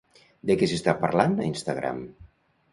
De què s'està parlant a Instagram?